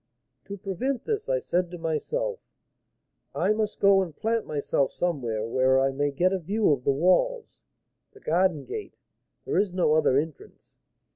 To prevent this, I said to myself, 'I must go and plant myself somewhere where I may get a view of the walls, the garden gate, there is no other entrance.